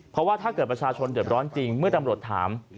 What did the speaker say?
เพราะว่าถ้าเกิดประชาชนเดือดร้อนจริงเมื่อตำรวจถาม